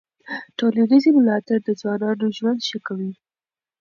ټولنیز ملاتړ د ځوانانو ژوند ښه کوي.